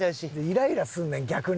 イライラすんねん逆に。